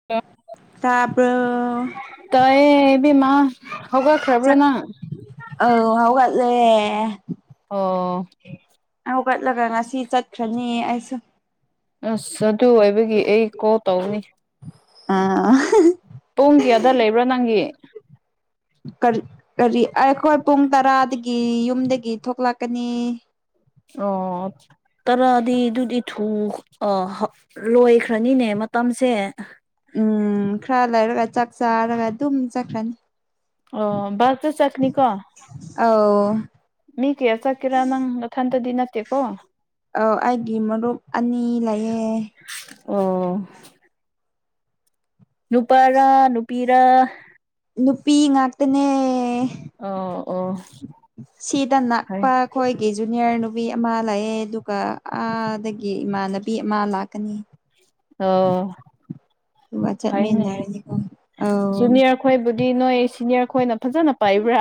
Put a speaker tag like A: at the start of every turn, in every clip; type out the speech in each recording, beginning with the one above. A: [inaudible]
B: ꯇꯥꯕ꯭ꯔꯣ
A: ꯇꯥꯏꯌꯦ ꯏꯕꯦꯝꯃ ꯍꯧꯒꯠꯈ꯭ꯔꯕꯔꯣ
B: ꯆꯥꯛ
A: ꯅꯪ
B: ꯑꯧ ꯍꯧꯒꯠꯂꯦ
A: ꯑꯣ
B: ꯍꯧꯒꯠꯂꯒ ꯉꯁꯤ ꯆꯠꯈ꯭ꯔꯅꯤ ꯑꯩꯁꯨ
A: ꯑꯁ ꯑꯗꯨ ꯑꯣꯏꯕꯒꯤ ꯑꯩ ꯀꯣꯜ ꯇꯧꯕꯅꯤ
B: ꯑꯥ
A: ꯄꯨꯡ ꯀꯌꯥꯗ ꯂꯩꯕ꯭ꯔꯥ ꯅꯪꯒꯤ
B: ꯀꯔꯤ ꯀꯔꯤ ꯑꯩꯈꯣꯏ ꯄꯨꯡ ꯇꯔꯥꯗꯒꯤ ꯌꯨꯝꯗꯒꯤ ꯊꯣꯛꯂꯛꯀꯅꯤ
A: ꯑꯣ ꯇꯔꯥꯗꯤ ꯑꯗꯨꯗꯤ ꯊꯨ ꯑꯣ ꯂꯣꯏꯈ꯭ꯔꯅꯤꯅꯦ ꯃꯇꯝꯁꯦ
B: ꯎꯝ ꯈꯔ ꯂꯩꯔꯒ ꯆꯥꯛ ꯆꯥꯔꯒ ꯑꯗꯨꯝ ꯆꯠꯈ꯭ꯔꯅꯤ
A: ꯑꯣ ꯕꯥꯁꯇ ꯆꯠꯅꯤ ꯀꯣ
B: ꯑꯧ
A: ꯃꯤ ꯀꯌꯥ ꯆꯠꯀꯦꯔ ꯅꯪ ꯅꯊꯟꯇꯗꯤ ꯅꯠꯇꯦ ꯀꯣ
B: ꯑꯧ ꯑꯩꯒꯤ ꯃꯔꯨꯞ ꯑꯅꯤ ꯂꯩꯌꯦ
A: ꯑꯣ ꯅꯨꯄꯥꯔ ꯅꯨꯄꯤꯔ
B: ꯅꯨꯄꯤ ꯉꯥꯛꯇꯅꯦ
A: ꯑꯣ ꯑꯣ
B: ꯁꯤꯗꯅ
A: ꯐꯩ
B: ꯄꯥꯛ ꯑꯩꯈꯣꯏꯒꯤ ꯖꯨꯅꯤꯌꯔ ꯅꯨꯕꯤ ꯑꯃ ꯂꯩꯌꯦ ꯑꯗꯨꯒ ꯑꯥꯗꯒꯤ ꯏꯃꯥꯟꯅꯕꯤ ꯑꯃ ꯂꯥꯛꯀꯅꯤ
A: ꯑꯣ
B: ꯑꯗꯨꯒ
A: ꯐꯩꯅꯦ
B: ꯆꯠꯃꯤꯟꯅꯔꯅꯤꯀꯣ ꯑꯧ
A: ꯖꯨꯅꯤꯌꯔ ꯍꯥꯏꯕꯗꯤ ꯅꯣꯏ ꯁꯤꯅꯤꯌꯔ ꯈꯣꯏꯅ ꯐꯥꯖꯅ ꯄꯥꯏꯕ꯭ꯔꯥ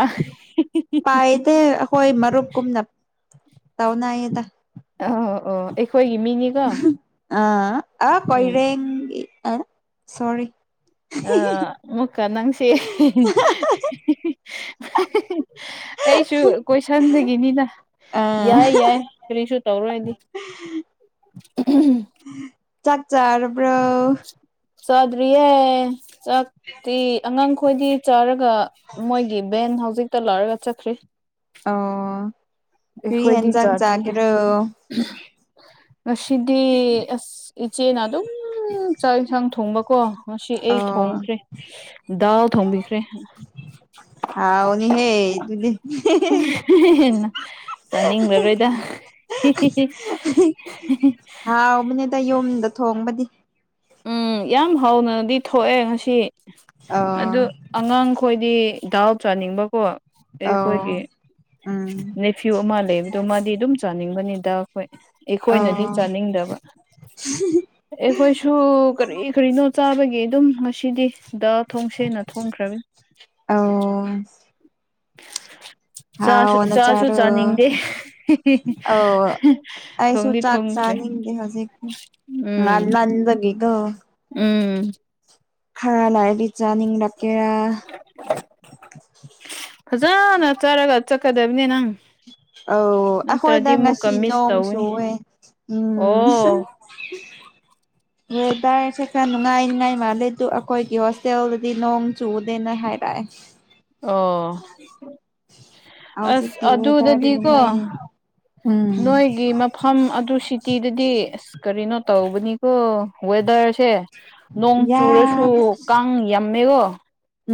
B: ꯍꯣꯏ ꯃꯔꯨꯞꯀꯨꯝꯅ ꯇꯧꯅꯩꯌꯦꯗ
A: ꯑꯣ ꯑꯣ ꯑꯩꯈꯣꯏꯒꯤ ꯃꯤꯅꯤꯀꯣ
B: ꯑꯥ ꯑꯥ
A: ꯎꯝ
B: ꯀꯣꯏꯔꯦꯡꯒꯤ ꯑꯥ ꯁꯣꯔꯤ
A: ꯑꯥ ꯃꯨꯀꯥ ꯅꯪꯁꯦ [inaudible] ꯑꯩꯁꯨ ꯀꯣꯏꯁꯟꯗꯒꯤꯅꯤꯅ
B: ꯑ
A: ꯌꯥꯏ ꯌꯥꯏ ꯀꯔꯤꯁꯨ ꯇꯧꯔꯣꯏꯗꯤ [unintelligible]
B: ꯆꯥꯛ ꯆꯥꯔꯕ꯭ꯔꯣ
A: ꯆꯗ꯭ꯔꯤꯌꯦ ꯆꯛꯇꯤ ꯑꯉꯥꯡꯈꯣꯏꯗꯤ ꯆꯥꯔꯒ ꯃꯣꯏꯒꯤ ꯚꯦꯟ ꯍꯧꯖꯤꯛꯇ ꯂꯥꯛꯔꯒ ꯆꯠꯈ꯭ꯔꯤ
B: ꯑꯣ ꯀ꯭ꯔꯤ
A: ꯑꯩꯈꯣꯏꯗꯤ
B: ꯍꯦꯟꯖꯥꯡ
A: ꯆꯥꯗ꯭ꯔꯤ
B: ꯆꯥꯒꯦꯔꯣ
A: ꯉꯁꯤꯗꯤ ꯑꯁ ꯏꯆꯦꯅ ꯑꯗꯨꯝ ꯎꯝ ꯆꯥꯛ ꯏꯟꯁꯥꯡ ꯊꯣꯡꯕꯀꯣ ꯉꯁꯤ ꯑꯩ
B: ꯑꯣ
A: ꯊꯣꯡꯈ꯭ꯔꯦ ꯗꯥꯎ ꯊꯣꯡꯕꯤꯈ꯭ꯔꯦ [inaudible]
B: ꯍꯥꯎꯅꯤꯍꯦ ꯑꯗꯨꯗꯤ
A: ꯆꯥꯅꯤꯡꯂꯔꯣꯏꯗ
B: ꯍꯥꯎꯕꯅꯦꯗ ꯌꯨꯝꯗ ꯊꯣꯡꯕꯗꯤ
A: ꯎꯝ ꯌꯥꯝ ꯍꯥꯎꯅꯗꯤ ꯊꯣꯛꯑꯦ ꯉꯁꯤ
B: ꯑꯣ
A: ꯑꯗꯨ ꯑꯉꯥꯡꯈꯣꯏꯗꯤ ꯗꯥꯎ ꯆꯥꯅꯤꯡꯕꯀꯣ
B: ꯑꯣ
A: ꯑꯩꯈꯣꯏꯒꯤ
B: ꯎꯝ
A: ꯐ꯭ꯌꯨ ꯑꯃ ꯂꯩꯕꯗꯣ ꯃꯥꯗꯤ ꯑꯗꯨꯝ ꯆꯥꯅꯤꯡꯕꯅꯤꯗ ꯑꯩꯈꯣꯏ
B: ꯑꯣ
A: ꯑꯩꯈꯣꯏꯅꯗꯤ ꯆꯥꯅꯤꯡꯗꯕ ꯑꯩꯈꯣꯏꯁꯨ ꯗꯨ ꯀꯔꯤ ꯀꯔꯤꯅꯣ ꯆꯥꯕꯒꯤ ꯑꯗꯨꯝ ꯉꯁꯤꯗꯤ ꯗ ꯊꯣꯡꯁꯦꯅ ꯊꯣꯡꯈ꯭ꯔꯝꯅꯦ
B: ꯑꯧ
A: ꯆꯥꯁꯨ ꯆꯥꯁꯨ
B: ꯍꯥꯎꯅꯆꯥꯔꫭ
A: ꯆꯥꯅꯤꯡꯗꯦ
B: ꯑꯧ ꯑꯩꯁꯨꯨ
A: ꯊꯣꯡꯗꯤ
B: ꯆꯥꯛ
A: ꯊꯣꯡꯈ꯭ꯔꯦ
B: ꯆꯥꯅꯤꯡꯗꯦ ꯍꯧꯖꯤꯛ ꯍꯧꯖꯤꯛ
A: ꯎꯝ
B: ꯉꯟꯃꯟꯕꯒꯤꯗꫭ
A: ꯎꯝ
B: ꯈꯔ ꯂꯩꯔꯗꯤ ꯆꯥꯅꯤꯡ ꯂꯛꯀꯦꯔ
A: ꯐꯖꯅ ꯆꯥꯔꯒ ꯆꯠꯀꯗꯝꯅꯦ ꯅꯪ
B: ꯑꯧ
A: ꯅꯠꯇ꯭ꯔꯗꯤ
B: ꯑꯩꯈꯣꯏꯗ
A: ꯑꯃꯨꯛꯀ
B: ꯉꯁꯤ
A: ꯃꯤꯁ
B: ꯅꯣꯡ
A: ꯇꯧꯒꯅꯤ
B: ꯆꯨꯋꯦ ꯎꯝ
A: [inaudible]
B: ꯋꯦꯗꯔꯁꯦ ꯈꯔ ꯅꯨꯡꯉꯥꯏꯅꯤꯉꯥꯏ ꯃꯥꯜꯂꯦ ꯑꯗꯨ ꯑꯩꯈꯣꯏꯒꯤ ꯍꯣꯁꯇꯦꯜꯗꯗꯤ ꯅꯣꯡ ꯆꯨꯗꯦꯅ ꯍꯥꯏꯔꯛꯑꯦ
A: ꯑꯣ ꯑꯁ
B: ꯍꯧꯖꯤꯛꯀꯤ ꯋꯦꯗꯔꯗꯤ
A: ꯑꯗꯨꯗꯗꯤꯀꯣ
B: ꯅꯨꯡꯉꯥꯏꯌꯦ ꯎꯝ
A: ꯅꯣꯏꯒꯤ ꯃꯐꯝ ꯑꯗꯨ ꯁꯤꯇꯤꯗꯗꯤ ꯑꯁ ꯀꯔꯤꯅꯣ ꯇꯧꯕꯅꯤꯀꯣ ꯋꯦꯗꯔꯁꯦ ꯅꯣꯡ ꯆꯨꯔꯁꯨ
B: ꯌꯥꯗ
A: ꯀꯥꯡ ꯌꯥꯝꯃꯦꯀꯣ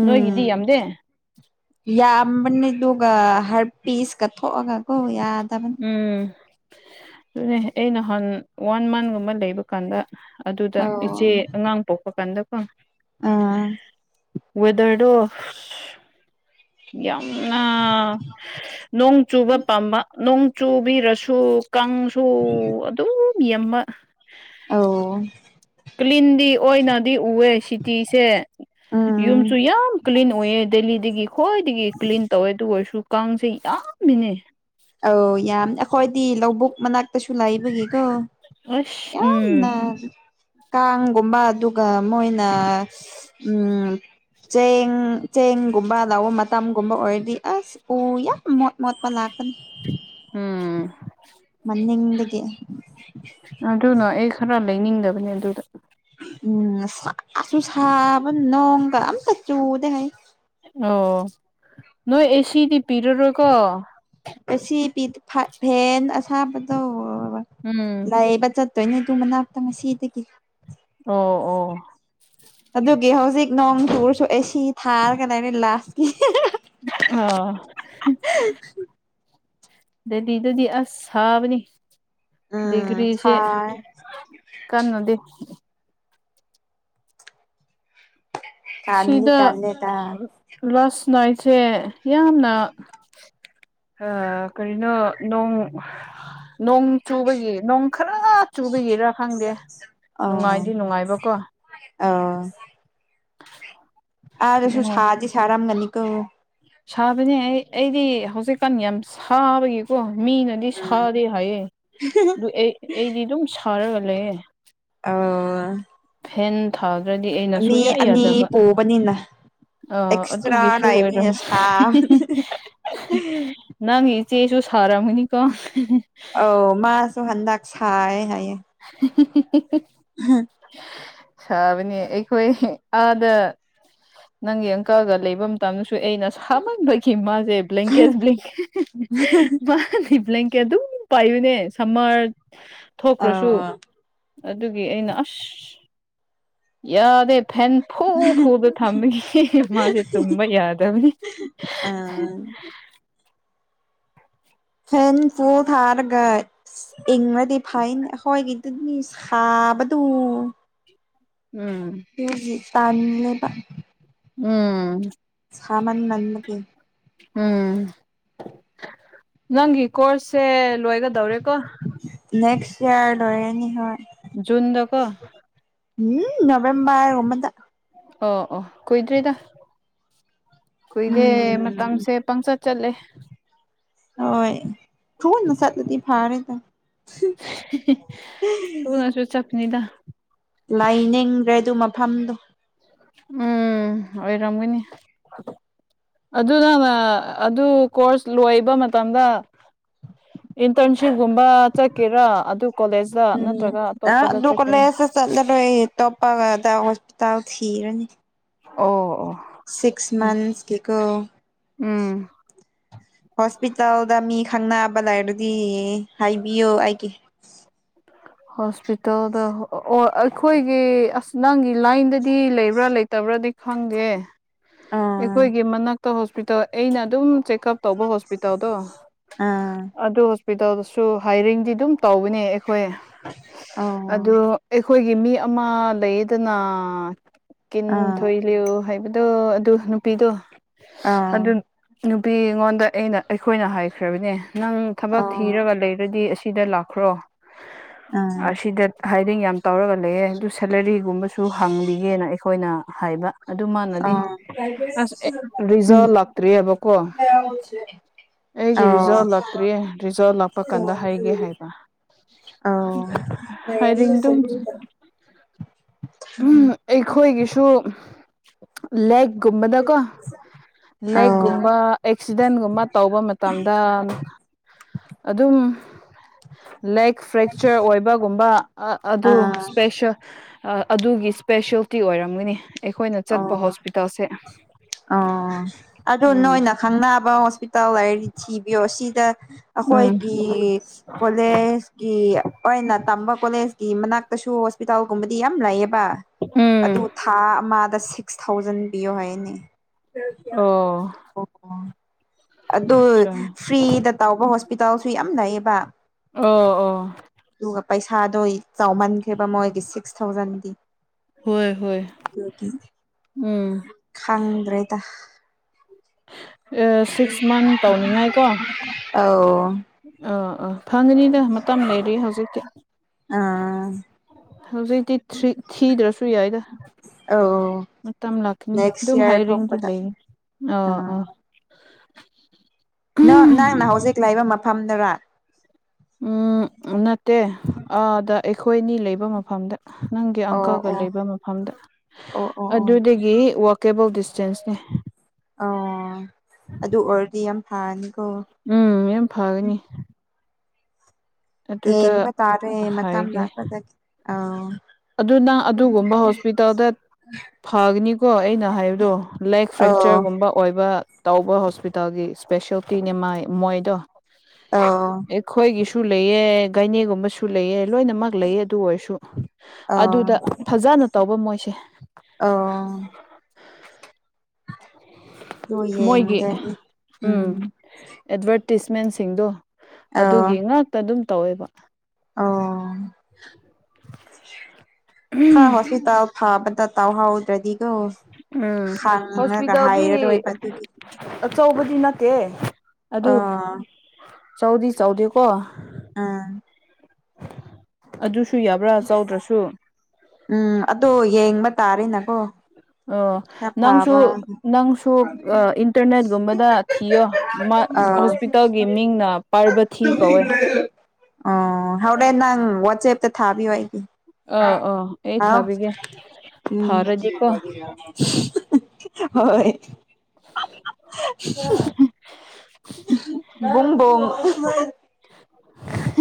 A: ꯅꯣꯏꯒꯤꯗꯤ ꯌꯥꯝꯗꯦ
B: ꯌꯥꯝꯕꯅꯦ ꯑꯗꯨꯒ ꯍꯥꯔ ꯄꯤꯁꯀ ꯊꫭꯛꯑꯒ ꯀꯣ ꯌꯥꯗꯕꯅꯦ
A: ꯎꯝ ꯑꯗꯨꯅꯦ ꯑꯩ ꯅꯍꯥꯟ ꯋꯥꯟ ꯃꯟꯒꯨꯝꯕ ꯂꯩꯕ ꯀꯥꯟꯗ ꯑꯗꯨꯗ
B: ꯑꯧ
A: ꯏꯆꯦ ꯑꯉꯥꯡ ꯄꯣꯛꯄ ꯀꯥꯟꯗ ꯀꫭ
B: ꯑꯥ
A: ꯋꯦꯗꯔꯗꫭ ꯌꯥꯝꯅ ꯅꯣꯡ ꯆꯨꯕ ꯄꯥꯝꯕ ꯅꯣꯡ ꯆꯨꯕꯤꯔꯁꯨ ꯀꯥꯡ ꯁꯨ ꯑꯗꯨꯝ ꯌꯥꯝꯕ
B: ꯑꯧ
A: ꯀ꯭ꯂꯤꯟꯗꯤ ꯑꯣꯏꯅꯗꯤ ꯎꯑꯦ ꯁꯤꯇꯤꯁꯦ
B: ꯎꯝ
A: ꯌꯨꯝꯁꯨ ꯌꯥꯝ ꯀ꯭ꯂꯤꯟ ꯑꯣꯏꯌꯦ ꯗꯦꯂꯤꯗꯒꯤ ꯈ꯭ꯋꯥꯏꯗꯒꯤ ꯀ꯭ꯂꯤꯟ ꯇꯧꯋꯦ ꯑꯗꯨ ꯑꯣꯏꯔꯁꯨ ꯀꯥꯡꯁꯦ ꯌꯥꯝ ꯃꯤꯅꯦ
B: ꯑꯧ ꯌꯥꯝ ꯑꯩꯈꯣꯏꯗꯤ ꯂꯧꯕꯨꯛ ꯃꯅꯥꯛꯇꯁꯨ ꯂꯩꯕꯒꯤꯀꯣ
A: ꯑꯁ ꯎꯝ
B: ꯌꯥꯝꯅ ꯀꯥꯡꯒꯨꯝꯕ ꯑꯗꯨꯒ ꯃꯣꯏꯅ ꯎꯝ ꯆꯦꯡ ꯆꯦꯡꯒꯨꯝꯕ ꯂꯧꯕ ꯃꯇꯝꯒꯨꯝꯕ ꯑꯣꯏꯔꯗꯤ ꯑꯁ ꯑꯣ ꯌꯥꯝ ꯃꫭꯠ ꯃꫭꯠꯄ ꯉꯥꯛꯇꯅꯤ
A: ꯎꯝ
B: ꯅꯤꯡꯗꯒꯤ
A: ꯑꯗꯨꯅ ꯑꯩ ꯈꯔ ꯂꯩꯅꯤꯡꯗꯕꯅꯦ ꯑꯗꯨꯗ
B: ꯎꯝ ꯁꯥꯁꯨ ꯁꯥꯕ ꯅꯣꯡꯒ ꯑꯝꯇ ꯆꯨꯗꯦ ꯍꯥꯏ
A: ꯑꯣ ꯅꯣꯏ ꯑꯦꯁꯤꯗꯤ ꯄꯤꯔꯔꯣꯏꯀꯣ
B: ꯑꯦꯁꯤ ꯄꯤ ꯐꯦꯟ ꯑꯁꯥꯕꯗꯣ
A: ꯎꯝ
B: ꯂꯩꯕ ꯆꯠ ꯇꯣꯏꯅ ꯑꯗꯨ ꯃꯅꯥꯛꯇ ꯉꯁꯤꯗꯒꯤ
A: ꯑꯣ ꯑꯣ
B: ꯑꯗꯨꯒꯤ ꯍꯧꯖꯤꯛ ꯅꯣꯡ ꯆꯨꯔꯁꯨ ꯑꯦ ꯁꯤ ꯊꯥꯔꯒꯅ ꯑꯩꯅ ꯂꯥꯁꯀꯤ
A: ꯑꯥ ꯗꯦꯜꯂꯤꯗꯗꯤ ꯑꯁ ꯁꯥꯕꯅꯤ
B: ꯎꯝ
A: ꯗꯤꯒ꯭ꯔꯤꯁꯦ
B: ꯁꯥꯏ
A: ꯀꯟꯅꯗꯦ
B: ꯇꯟꯗꯤ
A: ꯁꯤꯗ
B: ꯇꯜꯂꯦꯗ
A: ꯂꯥꯁ ꯅꯥꯏꯁꯦ ꯌꯥꯝꯅ ꯑ ꯀꯔꯤꯅꯣ ꯅꯣꯡ ꯅꯣꯡ ꯆꯨꯕꯒꯤ ꯅꯣꯡ ꯈꯔ ꯆꯨꯕꯒꯤꯔ ꯈꯪꯗꯦ ꯅꯨꯡꯉꯥꯏꯗꯤ ꯅꯨꯡꯉꯥꯏꯕꯀꯣ
B: ꯑꯧ ꯑꯥꯗꯁꯨ
A: ꯑꯗꯨꯒ
B: ꯁꯥꯗꯤ ꯁꯔꯝ ꯒꯅꯤ ꯀꯣ
A: ꯁꯥꯕꯅꯦ ꯑꯩ ꯑꯩꯗꯤ ꯍꯧꯖꯤꯛꯀꯥꯟ ꯌꯥꯝ ꯁꯥꯕꯒꯤ ꯀꯣ ꯃꯤꯅꯗꯤ
B: ꯎꯝ
A: ꯁꯥꯗꯦ ꯍꯥꯏꯌꯦ ꯑꯗꯨ ꯑꯩ ꯑꯩꯗꯤ ꯑꯗꯨꯝ ꯁꯥꯔꯒ ꯂꯩꯌꯦ
B: ꯑꯧ
A: ꯐꯦꯟ ꯊꯥꯗ꯭ꯔꯗꯤ ꯑꯩꯅ ꯁꯨꯛꯌꯥ ꯌꯥꯗꯕ
B: ꯑꯅꯤ ꯄꯨꯕꯅꯤꯅ
A: ꯑ
B: ꯑꯦꯛꯁꯇ꯭ꯔꯥ
A: ꯑꯗꯨꯒꯤꯁꯨ ꯑꯣꯏꯔꯣ
B: ꯂꯩꯕꯅꯤꯅ ꯁꯥ
A: ꯅꯪ ꯏꯆꯦꯁꯨ ꯁꯥꯔꯝꯃꯅꯤꯀꯣ
B: ꯑꯧ ꯃꯥꯖꯨꯍꯥꯟꯗꯛ ꯁꯥꯏ ꯍꯥꯏꯌꯦ
A: [inaudible]
B: ꯍꯥꯝ
A: ꯁꯥꯕꯅꯤ ꯑꯩꯈꯣꯏ ꯑꯥꯗ ꯅꯪꯒꯤ ꯑꯪꯀꯜꯒ ꯂꯩꯕ ꯃꯇꯝꯗꯁꯨ ꯑꯩꯅ ꯁꯥꯃꯟꯕꯈꯤ ꯃꯥꯖꯦ ꯕ꯭ꯂꯦꯡꯀꯦꯠ ꯕ꯭ꯂꯦꯡꯀꯦꯠ ꯃꯥꯒꯤ ꯕ꯭ꯂꯦꯡ ꯀꯦ ꯑꯗꯨꯝ ꯄꯥꯏꯕꯅꯦ ꯁꯝꯃꯔ ꯊꯣꯛꯈ꯭ꯔꯁꯨ
B: ꯑꯧ
A: ꯑꯗꯨꯒꯤ ꯑꯩꯅ ꯑꯁ ꯌꯥꯗꯦ ꯐꯦꯟ ꯐꯨ ꯐꯨꯗ ꯊꯝꯒ ꯃꯥꯁꯦ ꯇꯨꯝ ꯃꫭꯏ ꯌꯥꯗꯕꯅꯤ
B: ꯑꯥ ꯐꯦꯟ ꯐꯨꯟ ꯊꯥꯔꯒ ꯏꯪꯉꯗꯤ ꯐꯥꯏꯟ ꯍꯣꯏꯒꯤ ꯑꯗꯨꯅꯤ ꯁꯥꯕꯗꯣ
A: ꯎꯝ
B: ꯗꯨꯒꯤ ꯇꯥꯟꯂꯦꯕ
A: ꯎꯝ
B: ꯁꯥꯃꯟ ꯃꯟꯕꯒꯤ
A: ꯎꯝ ꯅꯪꯒꯤ ꯀꯣꯔꯁꯁꯦ ꯂꯣꯏꯒꯗꯧꯔꯦꯀꯣ
B: ꯅꯦꯛꯁ ꯏꯔ ꯂꯣꯏ ꯑꯅꯤ ꯍꯣꯏ
A: ꯖꯨꯟꯗ ꯀꯣ
B: ꯎꯝ ꯅꯕꯦꯝꯕꯔ ꯑꯣꯕꯗ
A: ꯑꯣ ꯑꯣ ꯀꯨꯏꯗ꯭ꯔꯤꯗ ꯀꯨꯏꯗꯦ
B: ꯎꯝ
A: ꯃꯇꯝꯁꯦ ꯄꯪꯆꯠ ꯆꯠꯂꯦ
B: ꯍꯣꯏ ꯇꯣꯏꯅ ꯆꯠꯂꯗꯤ ꯐꯔꯦ ꯗ
A: ꯊꯨꯅꯁꯨ ꯆꯠꯄꯅꯤꯗ
B: ꯂꯥꯏꯅꯤꯡꯗ꯭ꯔꯦ ꯑꯗꯨ ꯃꯐꯝꯗꯣ
A: ꯎꯝ ꯑꯣꯏꯔꯝꯒꯅꯤ ꯑꯗꯨ ꯅꯪꯅ ꯑꯗꯨ ꯀꯣꯔꯁ ꯂꯣꯏꯕ ꯃꯇꯝꯗ ꯏꯟꯇꯔꯟꯁꯤꯞꯒꯨꯝꯕ ꯆꯠꯀꯦꯔꯥ ꯑꯗꯨ ꯀꯣꯂꯦꯖꯇ
B: ꯎꯝ
A: ꯅꯠꯇ꯭ꯔꯒ
B: ꯑ
A: ꯑꯇꯣꯞꯄꯗ
B: ꯑꯗꯨ
A: ꯆꯠꯀꯦꯔꯥ
B: ꯀꯣꯂꯦꯖꯇ ꯆꯠꯂꯔꯣꯏ ꯇꯣꯞꯄꯒꯗ ꯍꯣꯁꯄꯤꯇꯥꯜ ꯊꯤꯔꯅꯤ
A: ꯑꯣ ꯑꯣ
B: ꯁꯤꯛꯁ
A: ꯎꯝ
B: ꯃꯟꯁ ꯀꯤꯀꯣ
A: ꯎꯝ
B: ꯍꯣꯁꯄꯤꯇꯥꯜꯗ ꯃꯤ ꯈꯪꯅꯕ ꯂꯩꯔꯗꯤ ꯍꯥꯏꯕꯤꯌꯨ ꯑꯩꯒꯤ
A: ꯍꯣꯁꯄꯤꯇꯥꯜꯗ ꯑꯣ ꯑꯩꯈꯣꯏꯒꯤ ꯑꯁ ꯅꯪꯒꯤ ꯂꯥꯏꯟꯗꯗꯤ ꯂꯩꯕ꯭ꯔꯥ ꯂꯩ ꯐꯠꯇꯕ꯭ꯔꯗꯤ ꯈꯪꯗꯦ
B: ꯑꯥ
A: ꯑꯩꯈꯣꯏꯒꯤ ꯃꯅꯥꯛꯇ ꯍꯣꯁꯄꯤꯇꯥꯜ ꯑꯩꯅ ꯑꯗꯨꯝ ꯆꯦꯛ ꯇꯞ ꯇꯧꯕ ꯍꯣꯁꯄꯤꯇꯥꯜꯗꯣ
B: ꯑꯥ
A: ꯑꯗꯨ ꯍꯣꯁꯄꯤꯇꯥꯜꯗꯁꯨ ꯍꯥꯏꯔꯤꯡꯗꯤ ꯑꯗꯨꯝ ꯇꯧꯕꯅꯦ ꯑꯩꯈꯣꯏ
B: ꯑꯧ
A: ꯑꯗꯨ ꯑꯩꯈꯣꯏꯒꯤ ꯃꯤ ꯑꯃ ꯂꯩꯗꯅ ꯀꯤꯟ
B: ꯑꯥ
A: ꯊꯣꯏ ꯂꯩꯎ ꯍꯥꯏꯕꯗꯣ ꯑꯗꯨ ꯅꯨꯄꯤꯗꯣ
B: ꯑꯥ
A: ꯑꯗꯨ ꯅꯨꯄꯤ ꯑꯩꯉꯣꯟꯗ ꯑꯩꯅ ꯑꯩꯈꯣꯏꯅ ꯍꯥꯏꯈ꯭ꯔꯕꯅꯦ ꯅꯪ ꯊꯕꯛ
B: ꯑꯣ
A: ꯊꯤꯔꯒ ꯂꯩꯔꯗꯤ ꯑꯁꯤꯗ ꯂꯥꯛꯈ꯭ꯔꯣ
B: ꯑꯥ
A: ꯑꯁꯤꯗ ꯍꯥꯏꯗꯤꯡ ꯌꯥꯝ ꯇꯧꯔꯒ ꯂꯩꯌꯦ ꯑꯗꯨ ꯁꯦꯂꯔꯤꯒꯨꯝꯕꯁꯨ ꯍꯪꯕꯤꯒꯦꯅ ꯑꯩꯈꯣꯏꯅ ꯍꯥꯏꯕ ꯑꯗꯨ ꯃꯥꯅꯗꯤ
B: ꯑꯥ
A: ꯑꯁ ꯑꯦ
B: ꯎꯝ
A: ꯔꯤꯖꯥꯜ ꯂꯥꯛꯇ꯭ꯔꯤ ꯍꯥꯏꯕꯀꯣ
B: ꯑꯣ
A: ꯑꯩꯒꯤ
B: ꯑꯣ
A: ꯔꯤꯖꯥꯜ ꯂꯥꯛꯇ꯭ꯔꯤꯌꯦ ꯔꯤꯖꯥꯜ ꯂꯥꯛꯄ ꯀꯥꯟꯗ ꯍꯥꯏꯒꯦ ꯍꯥꯏꯕ
B: ꯑꯧ
A: ꯍꯥꯏꯔꯤꯡ ꯗꯨꯝ ꯎꯝ ꯑꯩꯈꯣꯏꯒꯤꯁꯨ ꯂꯦꯛꯀꯨꯝꯕꯗꯀꯣ ꯂꯦꯛꯀꯨꯝꯕ ꯑꯦꯛꯁꯤꯗꯦꯟꯒꯨꯝꯕ ꯇꯧꯕ ꯃꯇꯝꯗ ꯑꯗꯨꯝ ꯂꯦꯛ ꯐ꯭ꯔꯦꯛꯆꯔ ꯑꯣꯏꯕꯒꯨꯝꯕ ꯑꯗꯨ
B: ꯑꯥ
A: ꯏꯁꯄꯦꯁꯦꯜ ꯑꯗꯨꯒꯤ ꯏꯁꯄꯦꯁꯌꯦꯜꯇꯤ ꯑꯣꯏꯔꯝꯒꯅꯤ ꯑꯩꯈꯣꯏꯅ ꯆꯠꯄ
B: ꯑꯣ
A: ꯍꯣꯁꯄꯤꯇꯥꯜꯁꯦ
B: ꯑꯣ ꯑꯗꯨ
A: ꯎꯝ
B: ꯅꯣꯏꯅ ꯈꯪꯅꯕ ꯍꯣꯁꯄꯤꯇꯥꯜ ꯂꯩꯔꯗꯤ ꯊꯤꯕꯤꯌꯣ ꯁꯤꯗ
A: ꯎꯝ
B: ꯑꯩꯈꯣꯏꯒꯤ ꯀꯣꯂꯦꯖꯀꯤ ꯑꯣꯏꯅ ꯇꯝꯕ ꯀꯣꯂꯦꯖꯀꯤ ꯃꯅꯥꯛꯇꯁꯨ ꯍꯣꯁꯄꯤꯇꯥꯜꯒꯨꯝꯕꯗꯤ ꯌꯥꯝ ꯂꯩꯌꯦꯕ ꯑꯗꯨ
A: ꯎꯝ
B: ꯊꯥ ꯑꯃꯗ ꯁꯤꯛꯁ ꯊꯥꯎꯖꯟ ꯄꯤꯌꯣ ꯍꯥꯏꯅꯦ
A: ꯑꯣ
B: ꯑꯣ ꯑꯗꯨ
A: ꯑꯆꯥ
B: ꯐ꯭ꯔꯤꯗ ꯇꯧꯕ ꯍꯣꯁꯄꯤꯇꯥꯜꯁꯨ ꯌꯥꯝ ꯂꯩꯌꯦꯕ
A: ꯑꯣ ꯑꯣ
B: ꯑꯗꯨꯒ ꯄꯩꯁꯥꯗꯣ ꯆꯥꯎꯃꯟꯈ꯭ꯔꯦꯕ ꯃꯣꯏꯒꯤ ꯁꯤꯛꯁ ꯊꯥꯎꯖꯟꯗꯤ
A: ꯍꯣꯏ ꯍꯣꯏ
B: ꯑꯗꯨꯒꯤ
A: ꯎꯝ
B: ꯈꯪꯗ꯭ꯔꯦꯗ
A: ꯁꯤꯛꯁ ꯃꯟ ꯇꯧꯅꯤꯡꯉꯥꯏꯀꯣ
B: ꯑꯧ
A: ꯑꯥ ꯑꯥ ꯐꯪꯒꯅꯤꯗ ꯃꯇꯝ ꯂꯩꯔꯤ ꯍꯧꯖꯤꯛꯇꯤ
B: ꯑꯥ
A: ꯍꯧꯖꯤꯛꯇꯤ ꯊꯔꯤ ꯊꯤꯗ꯭ꯔꯁꯨ ꯌꯥꯏꯗ
B: ꯑꯧ
A: ꯃꯇꯝ ꯂꯥꯛꯈꯤꯅꯤ
B: ꯅꯦꯛꯁ
A: ꯑꯗꯨꯝ
B: ꯏꯌꯥꯔ
A: ꯍꯥꯏꯔꯤꯡꯒꯤ
B: ꯊꯣꯛꯄꯗ
A: ꯂꯩꯌꯦ ꯑ ꯑꯥ [unintelligible]
B: ꯅꯪ ꯅꯪ ꯅ ꯍꯧꯖꯤꯛ ꯂꯩꯕ ꯃꯥ ꯐꯝꯗꯔ
A: ꯎꯝ ꯅꯠꯇꯦ ꯑꯥꯗ ꯑꯩꯈꯣꯏ ꯑꯅꯤ ꯂꯩꯕ ꯃꯐꯝꯗ ꯅꯪꯒꯤ
B: ꯑꯣ
A: ꯑꯪꯀꯜꯒ
B: ꯑꯣ
A: ꯂꯩꯕ ꯃꯐꯝꯗ
B: ꯑꯣ ꯑꯣ ꯑꯣ
A: ꯑꯗꯨꯗꯒꯤ ꯋꯥꯛ ꯀꯦꯕꯜ ꯗꯤꯁꯇꯦꯟꯁꯅꯦ
B: ꯑꯣ ꯑꯗꯨ ꯑꯣꯏꯔꯗꯤ ꯌꯥꯝ ꯐꯔꯅꯤꯀꯣ
A: ꯎꯝ ꯌꯥꯝ ꯐꯒꯅꯤ ꯑꯗꯨꯗ
B: ꯌꯦꯡꯕꯥ ꯇꯥꯔꯦ ꯃꯥꯇꯝ
A: ꯍꯥꯏꯒꯦ
B: ꯂꯥꯛꯄꯥꯗꯗꯤ
A: ꯑꯗꯨ ꯅꯪ ꯑꯗꯨꯒꯨꯝꯕ ꯍꯣꯁꯄꯤꯇꯥꯜꯗ ꯐꯒꯅꯤꯀꯣ ꯑꯩꯅ ꯍꯥꯏꯕꯗꯣ ꯂꯦꯛ
B: ꯑꯧ
A: ꯐ꯭ꯔꯦꯛꯆꯔꯒꯨꯝꯕ ꯑꯣꯏꯕ ꯇꯧꯕ ꯍꯣꯁꯄꯤꯇꯥꯜꯒꯤ ꯏꯁꯄꯦꯁꯜꯂꯤꯇꯤꯅꯦ ꯃꯥꯏ ꯃꯣꯏꯗꯣ
B: ꯑꯧ
A: ꯑꯩꯈꯣꯏꯒꯤꯁꯨ ꯂꯩꯌꯦ ꯒꯥꯏꯅꯤꯒꯨꯝꯕꯁꯨ ꯂꯩꯌꯦ ꯂꯣꯏꯅꯃꯛ ꯂꯩꯌꯦ ꯑꯗꯨ ꯑꯣꯏꯔꯁꯨ
B: ꯑꯧ
A: ꯑꯗꯨꯗ ꯐꯖꯅ ꯇꯧꯕ ꯃꯣꯏꯁꯦ
B: ꯑ ꯑꯗꯨ
A: ꯃꯣꯏꯒꯤ
B: ꯌꯦꯡꯒꯅꯤ
A: ꯎꯝ ꯑꯦꯠꯚꯔꯇꯤꯁꯃꯦꯟꯁꯤꯡꯗꯣ ꯑꯗꯨꯒꯤ ꯉꯥꯛꯇ ꯑꯗꯨꯝ ꯇꯧꯌꯦꯕ
B: ꯑꯣ ꯍ
A: ꯎꯝ
B: ꯍꯣꯁꯄꯤꯇꯥꯜ ꯐꯕꯗ ꯇꯧꯍꯧꯗ꯭ꯔꯗꯤꯀꯣ ꯍꯪꯉꯒ
A: ꯍꯣꯁꯄꯤꯇꯥꯜꯗꯤ
B: ꯍꯥꯏꯔꯔꯣꯏꯕ ꯑꯗꯨꯗꯤ
A: ꯑꯆꯧꯕꯗꯤ ꯅꯠꯇꯦ ꯑꯗꯨ
B: ꯑꯥ
A: ꯆꯥꯎꯗꯤ ꯆꯥꯎꯗꯦꯀꯣ
B: ꯑꯥ
A: ꯑꯗꯨꯁꯨ ꯌꯥꯕ꯭ꯔꯥ ꯆꯥꯎꯗ꯭ꯔꯁꯨ
B: ꯎꯝ ꯑꯗꯣ ꯌꯦꯡꯕ ꯇꯥꯔꯦꯅꯀꯣ
A: ꯑꯣ
B: ꯈꯔ ꯐꯥꯕ
A: ꯅꯪꯁꯨ- ꯅꯪꯁꯨ ꯏꯟꯇꯔꯅꯦꯠꯒꯨꯝꯕꯗ ꯊꯤꯌꯣ
B: ꯑꯥ
A: ꯍꯣꯁꯄꯤꯇꯥꯜꯒꯤ ꯃꯤꯡꯅ ꯄꯥꯔꯕꯊꯤ ꯀꯧꯋꯦ
B: ꯑꯣ ꯍꯣꯔꯦꯟ ꯅꯪ ꯋꯥꯆꯦꯞꯇ ꯊꯥꯕꯤꯌꯣ ꯑꯩꯒꯤ
A: ꯑꯥ ꯑꯥ ꯑꯩ
B: ꯍꯥꯎ
A: ꯊꯥꯕꯤꯒꯦ
B: ꯎꯝ
A: ꯐꯔꯗꯤꯀꯣ
B: [inaudible] ꯍꯣꯏ ꯕꯨꯡ ꯕꯨꯡ
A: [unintelligible]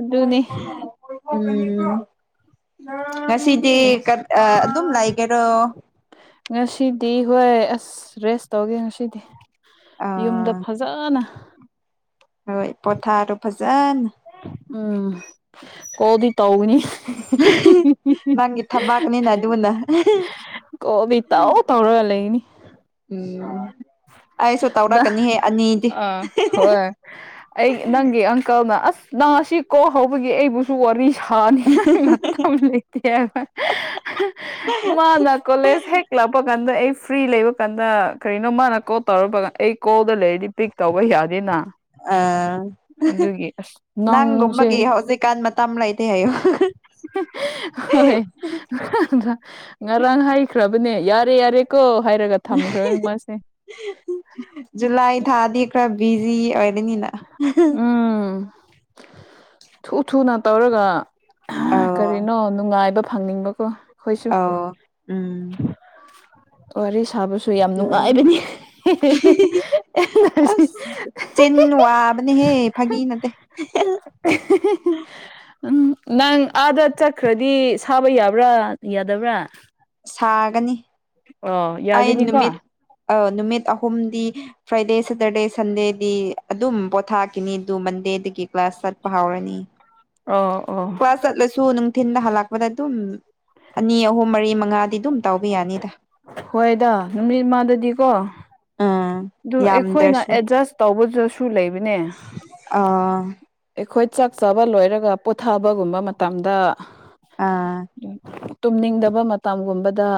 A: ꯑꯗꯨꯅꯤ
B: ꯎꯝ ꯉꯁꯤꯗꯤ ꯑꯗꯨꯝ ꯂꯩꯒꯦꯔꯣ
A: ꯉꯁꯤꯗꯤ ꯍꯣꯏ ꯑꯁ ꯔꯦꯁ ꯇꯧꯒꯦ ꯉꯁꯤꯗꯤ
B: ꯑ
A: ꯌꯨꯝꯗ ꯐꯖꯅ
B: ꯍꯣꯏ ꯄꯊꯥꯔꯣ ꯐꯖꯅ
A: ꯎꯝ ꯀꯣꯜꯗꯤ ꯇꯧꯒꯅꯤ
B: ꯅꯪꯒꯤ ꯊꯕꯥꯛꯅꯤꯅ ꯑꯗꯨꯅ
A: ꯀꯣꯜꯗꯤ ꯇꯧ ꯇꯧꯔꯒ ꯂꯩꯒꯅꯤ
B: ꯎꯝ ꯑꯩꯁꯨ
A: ꯅꯪ
B: ꯇꯧꯔꯛꯀꯅꯤꯍꯦ ꯑꯅꯤꯗꯤ
A: ꯑ ꯍꯣꯏ ꯑꯩ ꯅꯪꯒꯤ ꯑꯪꯀꯜꯅ ꯑꯁ ꯅꯪ ꯉꯁꯤ ꯀꯣꯜ ꯍꯧꯕꯒꯤ ꯑꯩꯕꯨꯁꯨ ꯋꯥꯔꯤ ꯁꯥꯅꯤꯉꯥꯏ ꯃꯇꯝ ꯂꯩ ꯇꯦ ꯃꯥꯅ ꯀꯣꯂꯦꯖ ꯍꯦꯛ ꯂꯥꯛꯄ ꯀꯥꯟꯗ ꯑꯩ ꯐ꯭ꯔꯤ ꯂꯩꯕ ꯀꯥꯟꯗ ꯀꯔꯤꯅꯣ ꯃꯥꯅ ꯀꯣꯜ ꯇꯧꯔꯄꯒ ꯑꯩ ꯀꯣꯜꯗ ꯂꯩꯔꯗꯤ ꯄꯤꯛ ꯇꯧꯕ ꯌꯥꯗꯦꯅ
B: ꯑ
A: ꯑꯗꯨꯒꯤ ꯑꯁ ꯅꯪꯁꯦ
B: ꯅꯪꯒꯨꯝꯕꯒꯤ ꯍꯧꯖꯤꯛꯀꯥꯟ ꯃꯇꯝ ꯂꯩꯇꯦ ꯍꯥꯏꯌꯣ
A: ꯍꯣꯏ ꯉꯔꯥꯡ ꯍꯥꯏꯈ꯭ꯔꯕꯅꯦ ꯌꯥꯔꯦ ꯌꯥꯔꯦ ꯀꯣ ꯍꯥꯏꯔꯒ ꯊꯝꯈ꯭ꯔꯦ ꯃꯥꯁꯦ
B: ꯖꯨꯂꯥꯏ ꯊꯥꯗꯤ ꯈꯔ ꯕꯤꯖꯤ ꯑꯣꯏ
A: ꯎꯝ ꯊꯨ ꯊꯨꯅ ꯇꯧꯔꯒ ꯑꯥ
B: ꯑꯧ
A: ꯀꯔꯤꯅꯣ ꯅꯨꯡꯉꯥꯏꯕ ꯐꯪꯅꯤꯡꯕꯀꯣ ꯑꯩꯈꯣꯏꯁꯨ
B: ꯑꯧ ꯎꯝ
A: ꯋꯥꯔꯤ ꯁꯥꯕꯁꯨ ꯌꯥꯝ
B: ꯎꯝ
A: ꯅꯨꯡꯉꯥꯏꯕꯅꯤ [unintelligible]
B: ꯍꯦ ꯐꯥꯒꯤ ꯅꯠꯇꯦ
A: ꯎꯝ ꯅꯪ ꯑꯥꯗ ꯆꯠꯈ꯭ꯔꯗꯤ ꯁꯥꯕ ꯌꯥꯕ꯭ꯔꯥ ꯌꯥꯗꯕ꯭ꯔꯥ
B: ꯁꯥꯒꯅꯤ
A: [unintelligible]
B: ꯑꯩ
A: ꯌꯥꯒꯅꯤꯀꯣ
B: ꯅꯨꯃꯤꯠ ꯑ ꯅꯨꯃꯤꯠ ꯑꯍꯨꯝꯗꯤ ꯐ꯭ꯔꯥꯏꯗꯦ ꯁꯦꯇꯔꯗꯦ ꯁꯟꯗꯦꯗꯤ ꯑꯗꯨꯝ ꯄꯣꯊꯥꯈꯤꯅꯤ ꯑꯗꯨ ꯃꯟꯗꯦꯗꯒꯤ ꯀ꯭ꯂꯥꯁ ꯆꯠꯄ ꯍꯧꯔꯅꯤ
A: ꯑꯣ ꯑꯣ
B: ꯀ꯭ꯂꯥꯁ ꯆꯠꯂꯁꯨ ꯅꯨꯡꯊꯤꯟꯗ ꯍꯜꯂꯛꯄꯗ ꯑꯗꯨꯝ ꯑꯅꯤ ꯑꯍꯨꯝ ꯃꯔꯤ ꯃꯉꯥ
A: ꯍꯣꯏꯗ ꯅꯨꯃꯤꯠ ꯃꯥꯗꯗꯤꯀꯣ
B: ꯎꯝ
A: ꯑꯗꯨ ꯑꯩꯈꯣꯏꯅ
B: ꯌꯥꯝꯗ꯭ꯔꯁꯨ
A: ꯑꯦꯗꯖꯁ ꯇꯧꯕꯗꯁꯨ ꯂꯩꯕꯅꯦ
B: ꯑꯣ
A: ꯑꯩꯈꯣꯏ ꯆꯥꯛ ꯆꯥꯕ ꯂꯣꯏꯔꯒ ꯄꯣꯊꯥꯕꯒꯨꯝꯕ ꯃꯇꯝꯗ
B: ꯑꯥ
A: ꯇꯨꯝꯅꯤꯡꯗꯕ ꯃꯇꯝꯒꯨꯝꯕꯗ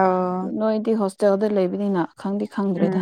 B: ꯑꯧ
A: ꯅꯣꯏꯗꯤ ꯍꯣꯁꯇꯦꯜꯗ ꯂꯩꯕꯅꯤꯅ ꯈꯪꯗꯤ ꯈꯪꯗ꯭ꯔꯦꯗ
B: ꯎꯝ